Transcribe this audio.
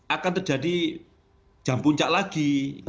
akan terjadi jam puncak lagi